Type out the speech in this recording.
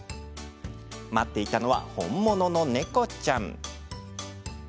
待っていたのは本物の猫ちゃん。